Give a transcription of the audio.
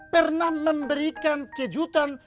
pernah memberikan kejutan